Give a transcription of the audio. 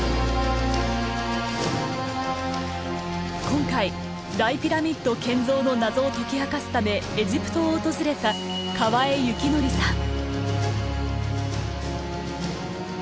今回大ピラミッド建造の謎を解き明かすためエジプトを訪れた河江肖剰さん。